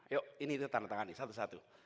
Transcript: yuk ini tanda tangan nih satu satu